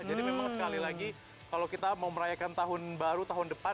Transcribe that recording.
jadi memang sekali lagi kalau kita mau merayakan tahun baru tahun depan